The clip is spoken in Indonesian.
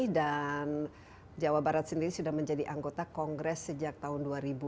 dan jawa barat sendiri sudah menjadi anggota kongres sejak tahun dua ribu lima belas